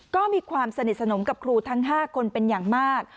ก็มีความสนิทสนมกับครูทั้ง๕คนเป็นอย่างมาก